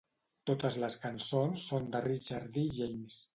Totes les cançons són de Richard D. James.